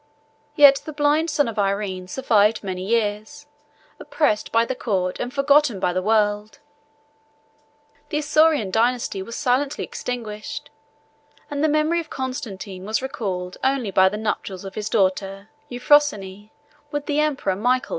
1119 Yet the blind son of Irene survived many years, oppressed by the court and forgotten by the world; the Isaurian dynasty was silently extinguished; and the memory of Constantine was recalled only by the nuptials of his daughter Euphrosyne with the emperor Michael the Second.